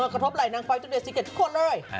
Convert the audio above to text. กระทบลายนางฟ้าตลอดดิสิเก็ตทุกคนเลย